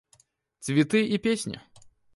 Цветы и песни.